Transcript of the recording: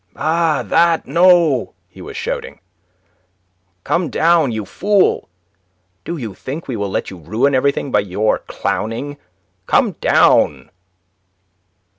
"Ah, that, no!" he was shouting. "Come down, you fool. Do you think we will let you ruin everything by your clowning? Come down!"